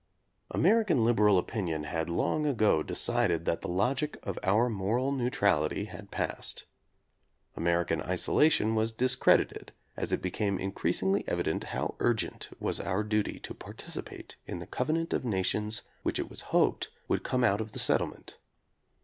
American liberal opinion had long ago de cided that the logic of our moral neutrality had passed. American isolation was discredited as it became increasingly evident how urgent was our duty to participate in the covenant of nations which it was hoped would come out of the settle ment.